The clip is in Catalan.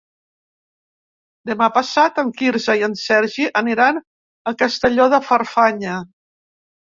Demà passat en Quirze i en Sergi aniran a Castelló de Farfanya.